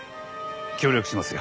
協力しますよ。